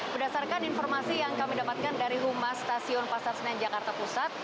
berdasarkan informasi yang kami dapatkan dari humas stasiun pasar senen jakarta pusat